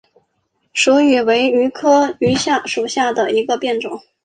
蜀榆为榆科榆属下的一个变种。